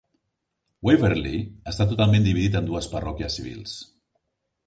Waverley està totalment dividit en dues parròquies civils.